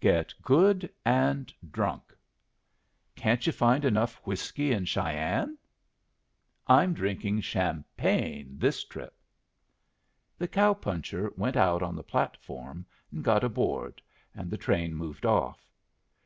"Get good and drunk." "Can't you find enough whiskey in Cheyenne?" "I'm drinking champagne this trip." The cow puncher went out on the platform and got aboard, and the train moved off.